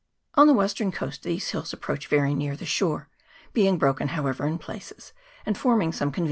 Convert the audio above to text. On the western coast these hills approach very near the shore, being broken however in places, and forming some conve 188 COOK'S STRAITS. [PART i.